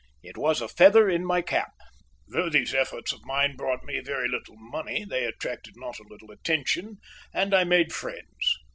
It was a feather in my cap. Though these efforts of mine brought me very little money, they attracted not a little attention, and I made friends.